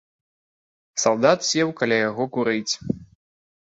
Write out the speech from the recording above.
Салдат сеў каля яго курыць.